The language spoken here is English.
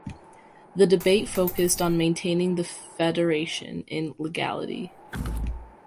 The debate focused on maintaining the Federation in legality.